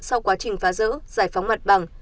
sau quá trình phá rỡ giải phóng mặt bằng